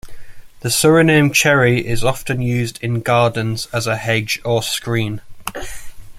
The Suriname cherry is often used in gardens as a hedge or screen.